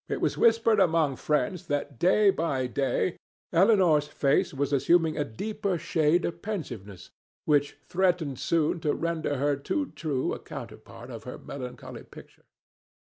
It was whispered among friends that day by day Elinor's face was assuming a deeper shade of pensiveness which threatened soon to render her too true a counterpart of her melancholy picture.